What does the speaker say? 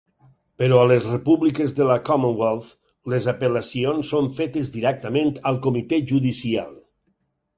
Però a les Repúbliques de la Commonwealth les apel·lacions són fetes directament al Comitè Judicial.